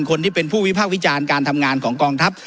คนที่เป็นผู้วิพากษ์วิจารณ์การทำงานของกองทัพ